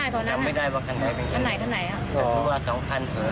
จำไม่ได้อ่อนแนะนะครับ